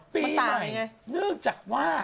ปีใหม่เนื่องจากว่า